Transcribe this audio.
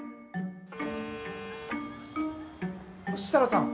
設楽さん！